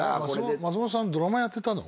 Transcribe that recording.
松本さんドラマやってたの？